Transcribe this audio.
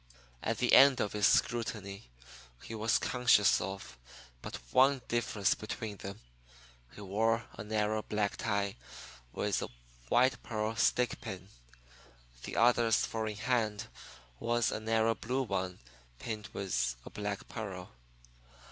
At the end of his scrutiny he was conscious of but one difference between them. One wore a narrow black tie with a white pearl stickpin. The other's "four in hand" was a narrow blue one pinned with a black pearl.